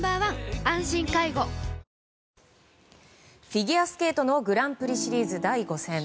フィギュアスケートのグランプリシリーズ第５戦。